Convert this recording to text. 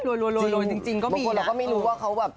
รวยจริงก็มีแหละบางคนเราก็ไม่รู้ว่าเขาแบบ